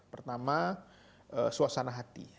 pertama suasana hati